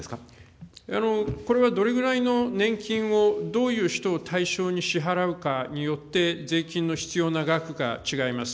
これはどれぐらいの年金を、どういう人を対象に支払うかによって、税金の必要な額が違います。